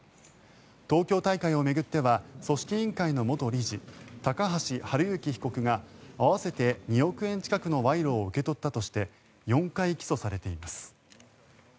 東京大会を巡っては組織委員会の元理事高橋治之被告が合わせて２億円近くの賄賂を受け取ったとして４回起訴されています。